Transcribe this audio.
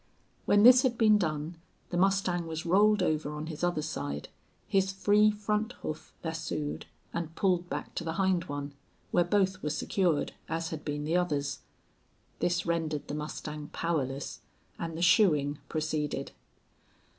When this had been done the mustang was rolled over on his other side, his free front hoof lassoed and pulled back to the hind one, where both were secured, as had been the others. This rendered the mustang powerless, and the shoeing proceeded.